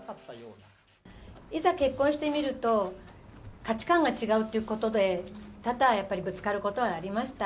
いざ結婚してみると、価値観が違うということで、多々やっぱりぶつかることはありました。